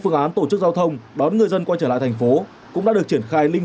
phương án tổ chức giao thông đón người dân quay trở lại thành phố cũng đã được triển khai linh